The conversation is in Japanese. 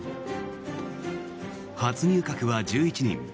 初入閣は１１人。